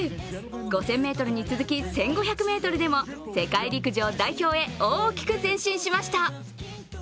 ５０００ｍに続き、１５００ｍでも世界陸上代表へ大きく前進しました。